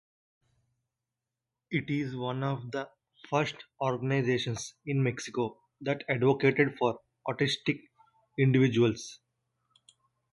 It is one of the first organizations in Mexico that advocated for autistic individuals.